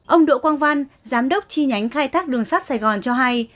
ông đỗ quang văn giám đốc chi nhánh khai thác đường sắt sài gòn cho hay